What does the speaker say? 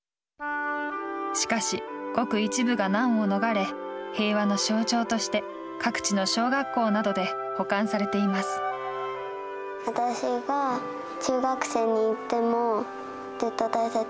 しかし、ごく一部が難を逃れ平和の象徴として各地の小学校などで保管されています。